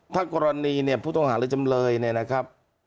ถ้ากรณีผู้ต้องหาเลือกจำเลยนะครับ